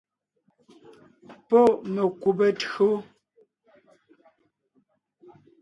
Pɔ́ mekùbe tÿǒ.